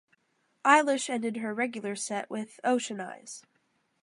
Eilish ended her regular set with "Ocean Eyes".